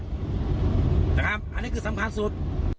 นะครับอันนี้คือสำคัญสุด